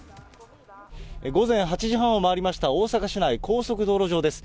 午前８時半を回りました、大阪市内、高速道路上です。